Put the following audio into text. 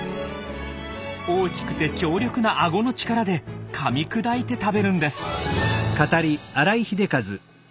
大きくて強力な顎の力でかみ砕いて食べるんです。